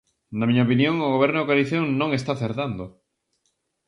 Na miña opinión, o goberno de coalición non está acertando.